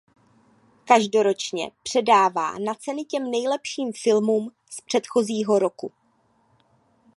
Každoročně předává na ceny těm nejlepším filmům z předchozího roku.